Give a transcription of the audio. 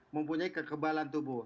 mempunyai kekebalan tubuh